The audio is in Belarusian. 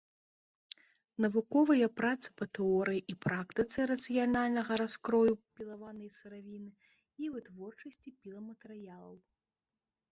Навуковыя працы па тэорыі і практыцы рацыянальнага раскрою пілаванай сыравіны і вытворчасці піламатэрыялаў.